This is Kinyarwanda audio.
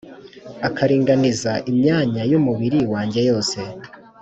akaringaniza imyanya y’umubiri wanjye yose,